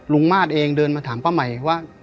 มาตรเองเดินมาถามป้าใหม่ว่า